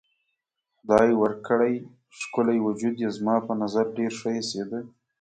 خدای ورکړی ښکلی وجود یې زما په نظر ډېر ښه ایسېده.